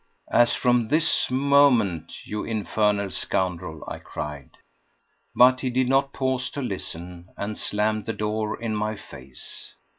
"As from this moment, you infernal scoundrel!" I cried. But he did not pause to listen, and slammed the door in my face.